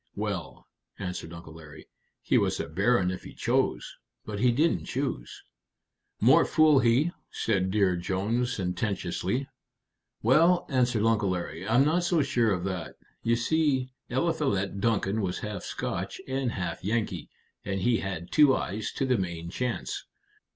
"Well," answered Uncle Larry, "he was a baron if he chose. But he didn't choose." "More fool he!" said Dear Jones, sententiously. "Well," answered Uncle Larry, "I'm not so sure of that. You see, Eliphalet Duncan was half Scotch and half Yankee, and he had two eyes to the main chance.